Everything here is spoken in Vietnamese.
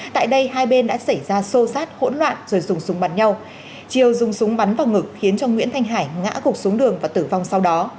tại đây hai bên đã xảy ra xô xát hỗn loạn rồi dùng súng bắn nhau chiều dùng súng bắn vào ngực khiến cho nguyễn thanh hải ngã gục xuống đường và tử vong sau đó